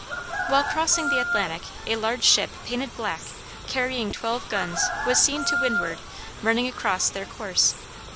While crossing the Atlantic a large ship painted black, carrying twelve guns, was seen to windward running across their course.